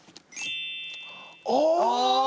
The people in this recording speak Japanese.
お！